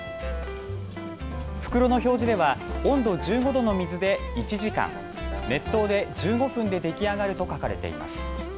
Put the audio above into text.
袋の表示では温度１５度の水で１時間、熱湯で１５分で出来上がると書かれています。